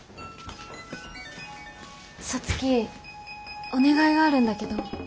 皐月お願いがあるんだけど。